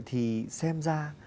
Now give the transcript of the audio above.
thì xem ra